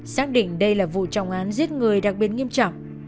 xác định đây là vụ trọng án giết người đặc biệt nghiêm trọng